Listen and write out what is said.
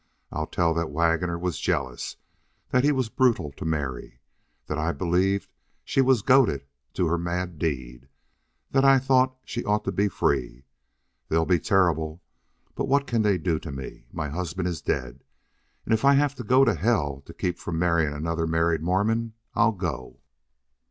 I'll tell that Waggoner was jealous, that he was brutal to Mary, that I believed she was goaded to her mad deed, that I thought she ought to be free. They'll be terrible. But what can they do to me? My husband is dead... and if I have to go to hell to keep from marrying another married Mormon, I'll go!"